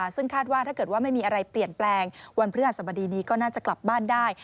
ซึ่งคาดว่าถ้าเกิดว่าไม่มีอะไรเปลี่ยนแปลงวันพฤหัสบดีนี้ก็น่าจะกลับบ้านได้